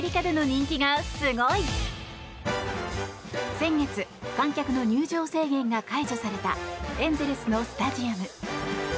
先月、観客の入場制限が解除されたエンゼルスのスタジアム。